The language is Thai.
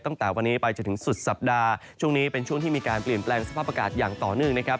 ตั้งแต่วันนี้ไปจนถึงสุดสัปดาห์ช่วงนี้เป็นช่วงที่มีการเปลี่ยนแปลงสภาพอากาศอย่างต่อเนื่องนะครับ